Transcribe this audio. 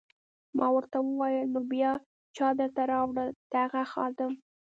ما ورته وویل: نو بیا چا درته راوړل؟ د هغه خادم.